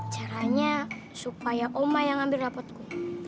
caranya supaya oma yang ambil rapotku